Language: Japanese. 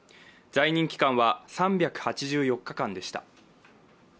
在任期間は３８４日間でした。